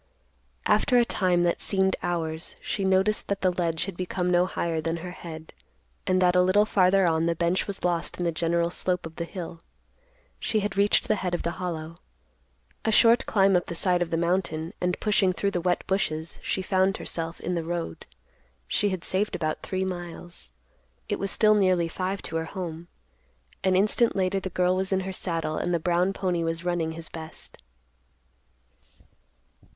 After a time that seemed hours, she noticed that the ledge had become no higher than her head, and that a little farther on the bench was lost in the general slope of the hill. She had reached the head of the hollow. A short climb up the side of the mountain, and, pushing through the wet bushes, she found herself in the road. She had saved about three miles. It was still nearly five to her home. An instant later the girl was in her saddle, and the brown pony was running his best.